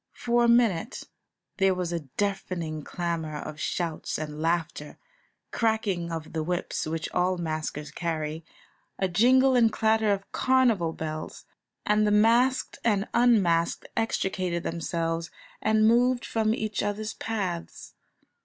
For a minute there was a deafening clamour of shouts and laughter, cracking of the whips, which all maskers carry, a jingle and clatter of carnival bells, and the masked and unmasked extricated themselves and moved from each other's paths.